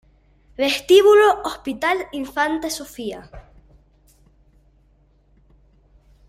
Vestíbulo Hospital Infanta Sofía